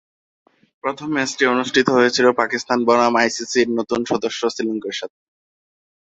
প্রথম ম্যাচটি অনুষ্ঠিত হয়েছিল পাকিস্তান বনাম আইসিসির নতুন সদস্য শ্রীলঙ্কার সাথে।